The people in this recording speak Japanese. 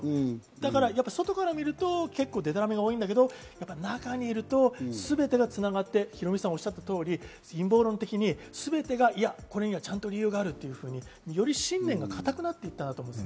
だから外から見ると結構デタラメが多いんだけど中にいると全てがつながってヒロミさんおっしゃった通り陰謀論的に全てが「これにはちゃんと理由がある」っていうふうにより信念が固くなって行ったんだと思うんです。